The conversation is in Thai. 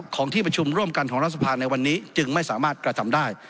ของที่ประชุมร่วมกันของรัฐสภาในวันนี้จึงไม่สามารถกระทำได้